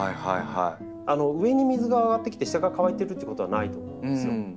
上に水が上がってきて下が乾いてるってことはないと思うんですよ。